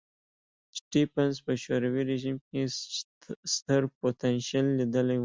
سټېفنس په شوروي رژیم کې ستر پوتنشیل لیدلی و.